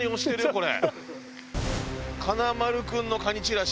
これ。